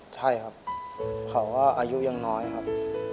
ใช่ครับเขาก็อายุยังน้อยครับ